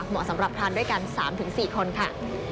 เหมาะสำหรับทานด้วยกัน๓๔คนค่ะ